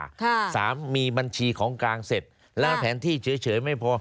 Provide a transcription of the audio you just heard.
ค่ะสามมีบัญชีของกลางเสร็จแล้วแผนที่เฉยเฉยไม่พอ